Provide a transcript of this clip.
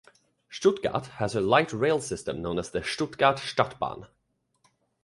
Stuttgart has a light rail system known as the Stuttgart Stadtbahn.